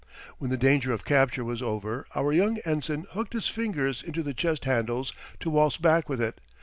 When the danger of capture was over our young ensign hooked his fingers into the chest handles to waltz back with it.